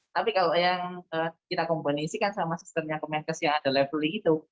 tapi kalau yang kita komponisikan sama sistemnya kemenkes yang ada leveling itu